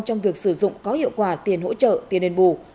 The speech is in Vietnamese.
trong việc sử dụng có hiệu quả tiền hỗ trợ tiền đền bù